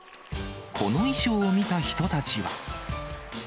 この衣装を見た人たちは。